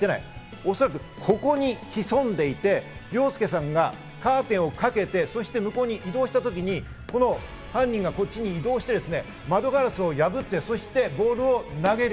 おそらくここに潜んでいて、凌介さんがカーテンをかけて、向こうに移動したときに、この犯人がこっちに移動して窓ガラスを破ってボールを投げる。